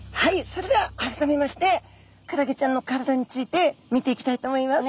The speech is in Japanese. それでは改めましてクラゲちゃんの体について見ていきたいと思います。